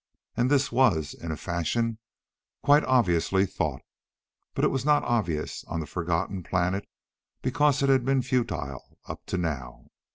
And this was, in a fashion, quite obviously thought; but it was not oblivious on the forgotten planet because it had been futile up to now.